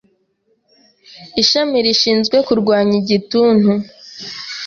Ishami rishinzwe kurwanya igituntu